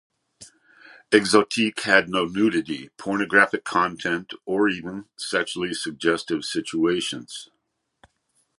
"Exotique" had no nudity, pornographic content, or even sexually suggestive situations.